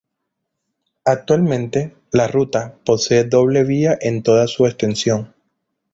Actualmente la ruta posee doble vía en toda su extensión.